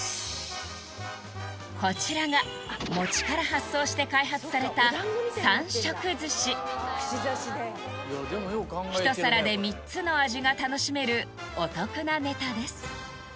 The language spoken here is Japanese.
こちらが餅から発想して開発された３色寿司一皿で３つの味が楽しめるお得なネタです